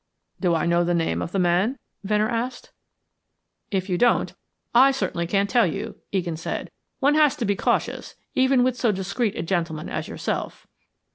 "Do I know the name of the man?" Venner asked. "If you don't, I certainly can't tell you," Egan said. "One has to be cautious, even with so discreet a gentleman as yourself."